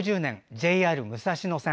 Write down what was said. ＪＲ武蔵野線。